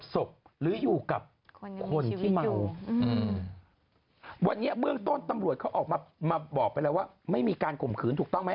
แสดงว่าถ้าช็อกจากการดื่มซุรา